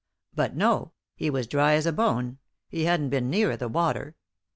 But no ; he was dry as a bone, he hadn't been near the water.